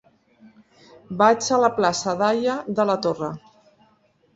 Vaig a la plaça d'Haya de la Torre.